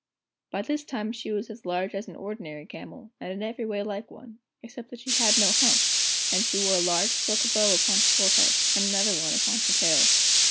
By this time she was as large as an ordinary camel, and in every way like one, except that she had no hump, and she wore a large silk bow upon her forehead, and another one upon her tail.